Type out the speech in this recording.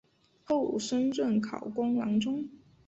后升任考功郎中。